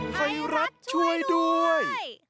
ไทยรัฐช่วยด้วย